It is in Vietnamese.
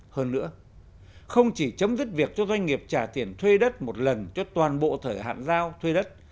hơn nữa không chỉ chấm dứt việc cho doanh nghiệp trả tiền thuê đất một lần cho toàn bộ thời hạn giao thuê đất